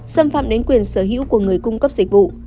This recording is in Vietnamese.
xâm phạm đến quyền sở hữu của người cung cấp dịch vụ